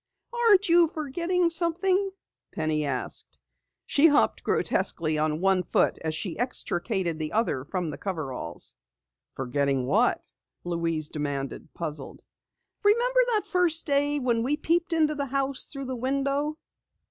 "Aren't you forgetting something?" Penny asked. She hopped grotesquely on one foot as she extricated the other from the coveralls. "Forgetting what?" Louise demanded, puzzled. "Remember that first day we peeped into the house through the window?"